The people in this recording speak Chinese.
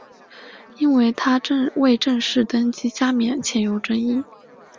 因为他未正式登基加冕且有争议。